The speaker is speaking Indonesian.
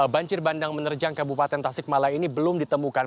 banjir bandang menerjang kabupaten tasik malaya ini belum ditemukan